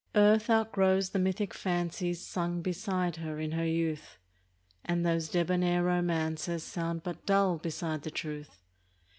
ARTH outgrows the mythic fancies Sung beside her in her youth ; And those debonair romances Sound but dull beside the truth.